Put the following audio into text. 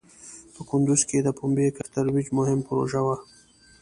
په کندوز کې د پومبې کښت ترویج مهم پروژه وه.